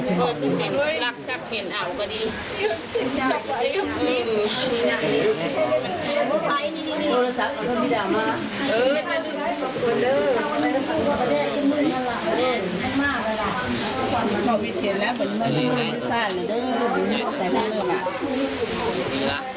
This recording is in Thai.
ตอนนี้ก็ไม่มีเวลาให้กลับมาเที่ยวกับเวลา